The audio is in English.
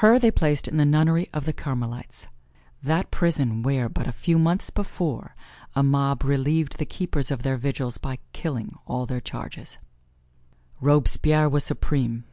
Her they placed in the nunnery of the Carmelites that prison where, but a few months before, a mob relieved the keepers of their vigils by killing all their charges. Robespierre was supreme.